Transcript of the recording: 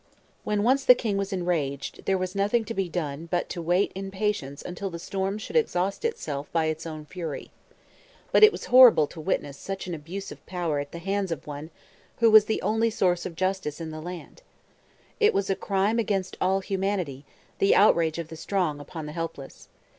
When once the king was enraged, there was nothing to be done but to wait in patience until the storm should exhaust itself by its own fury. But it was horrible to witness such an abuse of power at the hands of one who was the only source of justice in the land. It was a crime against all humanity, the outrage of the strong upon the helpless.